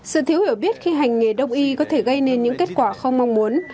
sự thiếu hiểu biết khi hành nghề đông y có thể gây nên những kết quả không mong muốn